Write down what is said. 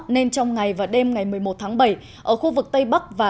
nên trong ngày và đêm ngày một mươi một tháng bảy ở khu vực tây bắc và